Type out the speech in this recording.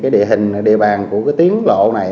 địa hình địa bàn của cái tiếng lộ này